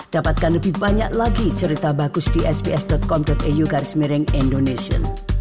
dapatkan lebih banyak lagi cerita bagus di sbs com au garis miring indonesia